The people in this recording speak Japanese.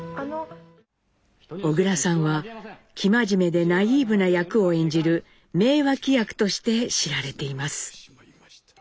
小倉さんは生真面目でナイーブな役を演じる名脇役として知られています。